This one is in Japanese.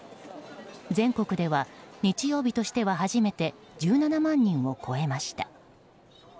全国では日曜日としては初めて１７万人を超えました。